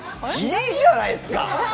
いいじゃないですか。